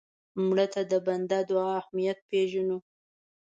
مړه ته د بنده د دعا اهمیت پېژنو